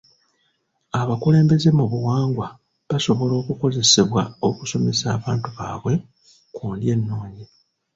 Abakulembeze mu buwangwa basobola okukozesebwa okusomesa abantu baabwe ku ndya ennungi.